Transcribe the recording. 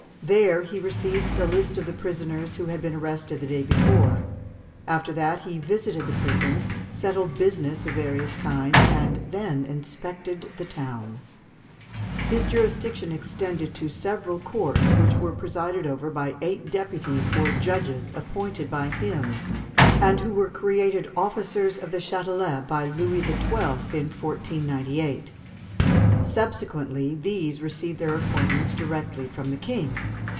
There he received the list of the prisoners who had been arrested the day before; after that he visited the prisons, settled business of various kinds, and then inspected the town. His jurisdiction extended to several courts, which were presided over by eight deputies or judges appointed by him, and who were created officers of the Châtelet by Louis XII. in 1498. Subsequently, these received their appointments direct from the King.